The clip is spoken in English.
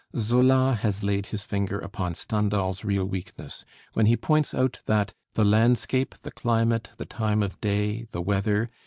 Zola has laid his finger upon Stendhal's real weakness when he points out that "the landscape, the climate, the time of day, the weather